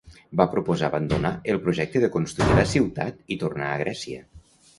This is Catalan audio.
Va proposar abandonar el projecte de construir la ciutat i tornar a Grècia.